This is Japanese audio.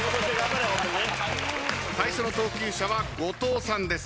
最初の投球者は後藤さんです。